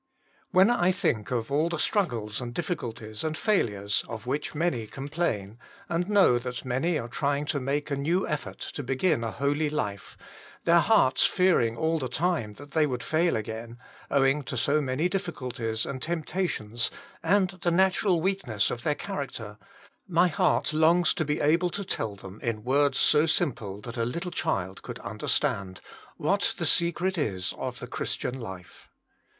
^^ II WHEN I think of all the struggles and difficulties and failures of which many complain, and know that many are trying to make a new effort to begin a holy life, their hearts fearing all the time that they would fail again, owing to so many difficulties and temp tations and the natural weakness of their character, my heart longs to be able to tell them in words so simple that a little child could understand, TObat tbe sectet ia ot tbe Cbtidtfan lite.